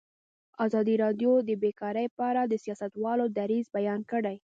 ازادي راډیو د بیکاري په اړه د سیاستوالو دریځ بیان کړی.